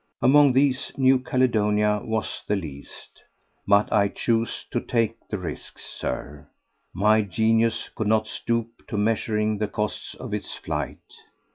Among these New Caledonia was the least. But I chose to take the risks, Sir; my genius could not stoop to measuring the costs of its flight.